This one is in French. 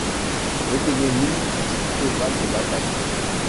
L'autonomie est son cheval de bataille.